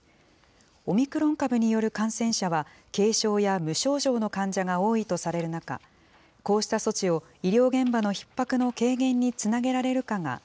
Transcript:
オミクロン株による感染者は、軽症や無症状の患者が多いとされる中、こうした措置を医療現場のひっ迫の軽減につなげられるかが